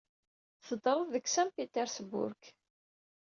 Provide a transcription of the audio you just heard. Teddred deg Saint Petersburg.